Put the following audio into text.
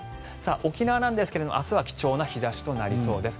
沖縄ですが明日は貴重な日差しとなりそうです。